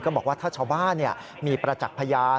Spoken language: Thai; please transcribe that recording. บอกว่าถ้าชาวบ้านมีประจักษ์พยาน